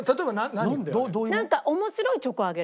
なんか面白いチョコをあげる。